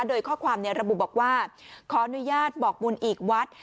โดยข้อความระบุบอกว่าขออนุญาตบอกบุญอีกวัด